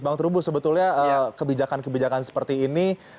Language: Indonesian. bang terubus sebetulnya kebijakan kebijakan seperti ini